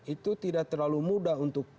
itu tidak terlalu mudah untuk